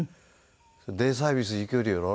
「デイサービス行きよるやろ？」